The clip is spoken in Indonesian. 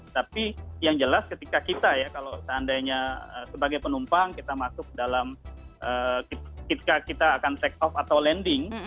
tapi yang jelas ketika kita ya kalau seandainya sebagai penumpang kita masuk dalam ketika kita akan take off atau landing